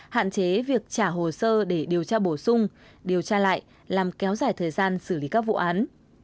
hạn chế việc trả hồ sơ để điều tra bổ sung điều tra lại làm kéo dài thời gian xử lý các vụ án